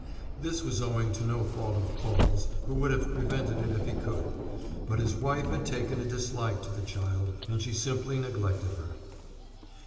This was owing to no fault of Paul's, who would have prevented it if he could, but his wife had taken a dislike to the child, and she simply neglected her.